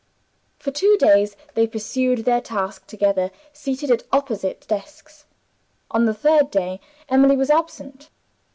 For two days they pursued their task together, seated at opposite desks. On the third day Emily was absent.